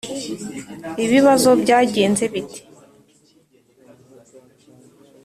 Ibibazo Byagenze bite